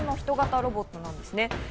ロボットなんですね。